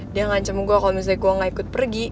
dia ngancam gue kalau misalnya gue gak ikut pergi